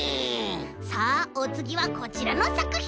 さあおつぎはこちらのさくひん！